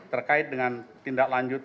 terkait dengan tindak lanjut